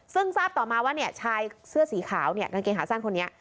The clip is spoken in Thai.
ซึ่งทราบต่อมาว่าเนี่ยชายเสื้อสีขาวเนี่ยกางเกงขาสั้นคนนี้